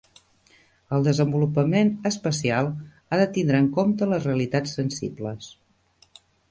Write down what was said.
El desenvolupament espacial ha de tindre en compte les realitats sensibles.